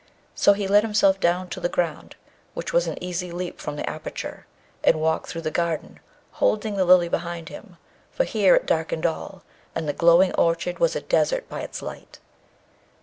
So he let himself down to the ground, which was an easy leap from the aperture, and walked through the garden, holding the Lily behind him, for here it darkened all, and the glowing orchard was a desert by its light.